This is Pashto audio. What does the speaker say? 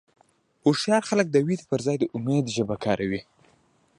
هوښیار خلک د وېرې پر ځای د امید ژبه کاروي.